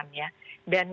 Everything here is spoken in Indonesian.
dan tentu karantina itu